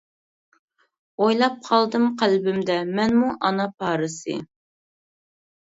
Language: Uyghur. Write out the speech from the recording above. ئويلاپ قالدىم قەلبىمدە، مەنمۇ ئانا پارىسى.